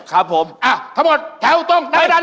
ครับผมแล้วก็สอนให้คุณภัยทูลชัดชัยและก็อธิบายไปด้วย